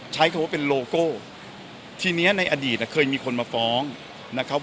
ใช้คำว่าเป็นโลโก้ทีเนี้ยในอดีตเคยมีคนมาฟ้องนะครับ